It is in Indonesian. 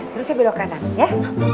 terus saya belok kanan ya